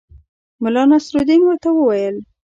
ملا نصرالدین ورته وویل.